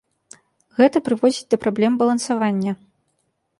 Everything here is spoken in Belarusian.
Гэта прыводзіць да праблем балансавання.